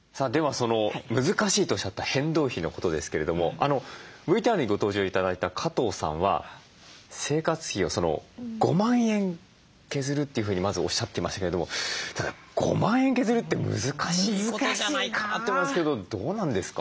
その難しいとおっしゃった変動費のことですけれどもＶＴＲにご登場頂いた加藤さんは生活費を５万円削るというふうにまずおっしゃっていましたけれども５万円削るって難しいことじゃないかなと思うんですけどどうなんですか？